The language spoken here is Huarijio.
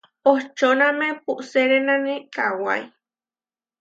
Ohčóname puʼserénane kawái.